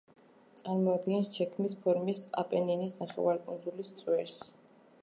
წარმოადგენს ჩექმის ფორმის აპენინის ნახევარკუნძულის „წვერს“.